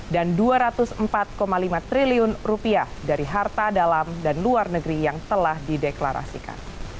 dan rp dua ratus empat lima triliun dari harta dalam dan luar negeri yang telah dideklarasikan